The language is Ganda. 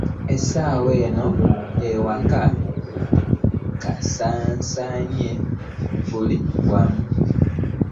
Essaawa eno akawuka kasaasaanye buli wamu.